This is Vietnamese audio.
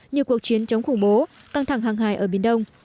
như cuộc chiến chống khủng bố căng thẳng hàng hài ở biển đông